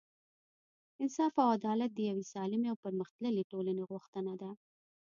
انصاف او عدالت د یوې سالمې او پرمختللې ټولنې غوښتنه ده.